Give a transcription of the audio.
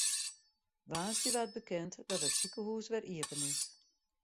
Woansdei waard bekend dat it sikehûs wer iepen is.